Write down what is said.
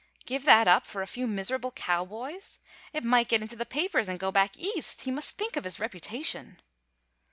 Give that up for a few miserable cowboys! It might get into the papers and go back East. He must think of his reputation.